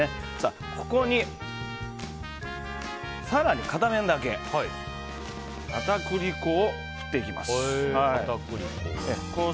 ここに、更に片面だけ片栗粉を振っていきます。